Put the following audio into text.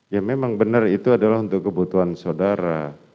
ya memang benar itu adalah untuk kebutuhan saudara